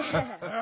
あ！